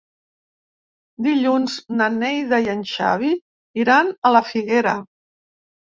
Dilluns na Neida i en Xavi iran a la Figuera.